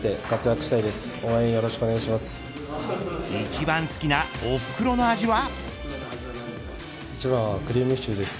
一番好きなおふくろの味は。